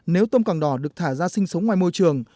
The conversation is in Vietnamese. nếu tôm càng đỏ được thả ra sinh sống ngoài môi trường